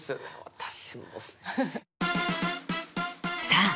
さあ